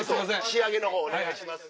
仕上げの方お願いします。